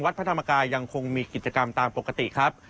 พระธรรมกายยังคงมีกิจกรรมตามปกติครับ